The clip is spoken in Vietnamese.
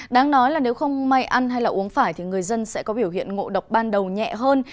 đáng nói là nếu không may ăn hay là uống phải thì người dân sẽ có biểu hiện ngộ độc ban đầu nhẹ hơn